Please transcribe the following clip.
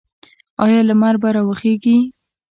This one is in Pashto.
آیا لمر به راوخیږي؟